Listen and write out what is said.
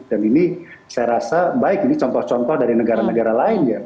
dan ini saya rasa baik ini contoh contoh dari negara negara lain ya